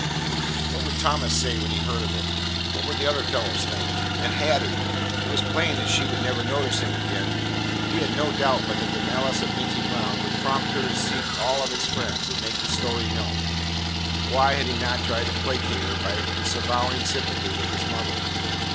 What would Thomas say when he heard it? What would the other fellows think? And Hattie? It was plain that she would never notice him again. He had no doubt but that the malice of Minty Brown would prompt her to seek out all of his friends and make the story known. Why had he not tried to placate her by disavowing sympathy with his mother?